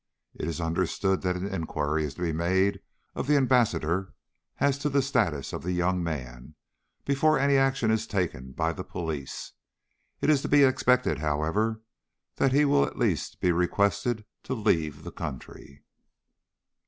It is understood that an inquiry is to be made of the Ambassador as to the status of the young man, before any action is taken by the police. It is to be expected, however, that he will at least be requested to leave the country.